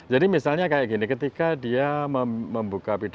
jadi misalnya kayak gini ketika dia membuka